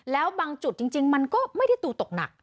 แล้วบางจุดจริงมันก็ไม่ได้ตัวตกหนัก